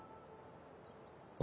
あ？